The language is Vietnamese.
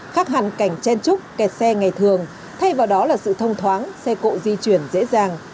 khác hẳn cảnh chen trúc kẹt xe ngày thường thay vào đó là sự thông thoáng xe cộ di chuyển dễ dàng